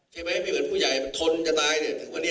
ใช่ไหมไม่เหมือนผู้ใหญ่เขาทนจะตายถึงวันนี้